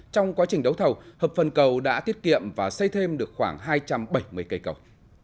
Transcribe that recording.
trong quá trình đấu thầu hợp phần cầu đã tiết kiệm và xây thêm được khoảng hai trăm bảy mươi cây cầu